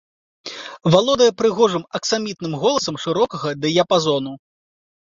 Валодае прыгожым аксамітным голасам шырокага дыяпазону.